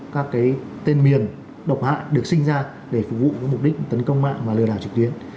các cái tên miền độc hại được sinh ra để phục vụ mục đích tấn công mạng và lừa đảo trực tuyến